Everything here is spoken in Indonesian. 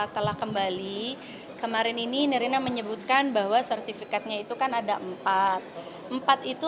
telah kembali kemarin ini nerina menyebutkan bahwa sertifikatnya itu kan ada empat empat itu